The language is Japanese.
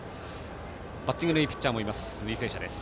バッティングのいいピッチャーもいます、履正社です。